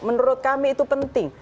menurut kami itu penting